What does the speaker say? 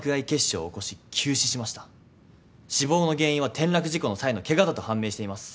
死亡の原因は転落事故の際のケガだと判明しています。